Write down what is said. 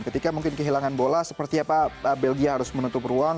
ketika mungkin kehilangan bola seperti apa belgia harus menutup ruang